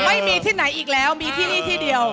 ไม่มีที่ไหนอีกแล้วมีที่นี่ที่เดียว